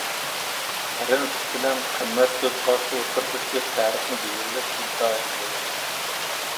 پىرىنسىپ بىلەن قىممەت كۆز قارىشى ئوتتۇرىسىدىكى پەرقنى بىلىۋېلىش ئىنتايىن مۇھىم.